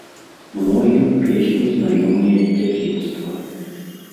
Многім песні знаёмыя з дзяцінства.